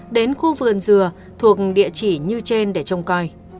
đến khu vườn dừa thuộc địa chỉ như trên để trông coi